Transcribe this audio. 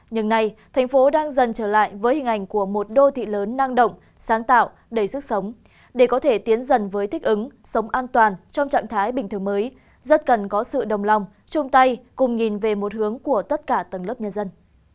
nhưng nay thành phố đang dần trở lại với hình ảnh của một đô thị lớn năng động sáng tạo đầy sức sống để có thể tiến dần với thích ứng sống an toàn trong trạng thái bình thường mới rất cần có sự đồng lòng chung tay cùng nhìn về một hướng của tất cả tầng lớp nhân dân